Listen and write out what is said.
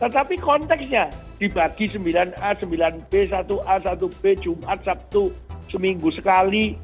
tetapi konteksnya dibagi sembilan a sembilan b satu a satu b jumat sabtu seminggu sekali